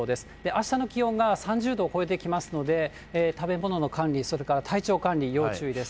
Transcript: あしたの気温が３０度を超えてきますので、食べ物の管理、それから体調管理、要注意です。